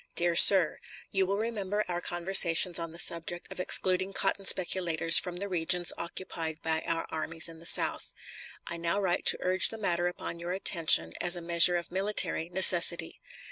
DEAR SIR: You will remember our conversations on the subject of excluding cotton speculators from the regions occupied by our armies in the South. I now write to urge the matter upon your attention as a measure of military necessity.